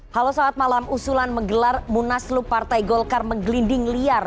halo saat malam usulan menggelar munaslup partai golkar menggelinding liar